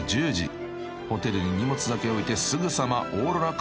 ［ホテルに荷物だけ置いてすぐさまオーロラ観測スポットへ］